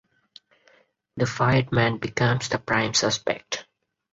The fired man becomes the prime suspect.